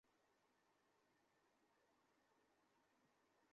তার নিহত ব্যক্তিটি প্রথম মুশরিক যার রক্ত মুসলমানগণ ঝরিয়েছেন।